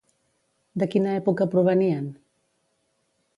De quina època provenien?